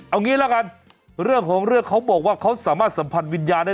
เอางี้ละกันเรื่องของเรื่องเขาบอกว่าเขาสามารถสัมผัสวิญญาณได้